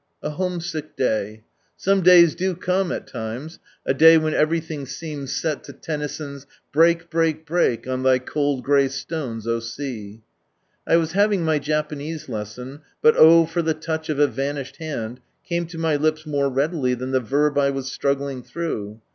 A homesick day. Such days do come at times — a day when everything seems set to Tennyson's " Break, break, break, on thy coKl gray stones, O Sea "! I was having my Japanese lesson, " But O for the touch of a vanished hand I " came to my lips more readily than the verb I was struggling through.